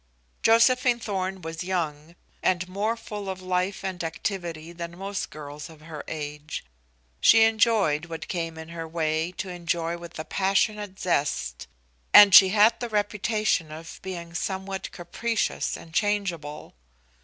Josephine Thorn was young and more full of life and activity than most girls of her age. She enjoyed what came in her way to enjoy with a passionate zest, and she had the reputation of being somewhat capricious and changeable.